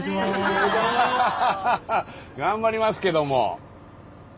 頑張りますけども。